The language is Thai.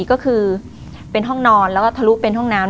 ก็คือเป็นห้องนอนแล้วก็ทะลุเป็นห้องน้ำ